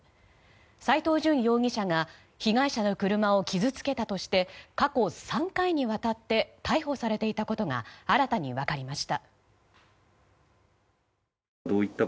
斎藤淳容疑者が被害者の車を傷つけたとして過去３回にわたって逮捕されていたことが新たに分かりました。